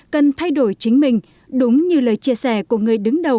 cần thay đổi chính mình đúng như lời chia sẻ của người đứng đầu